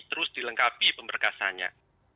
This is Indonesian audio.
terus dilengkapi pemberkasannya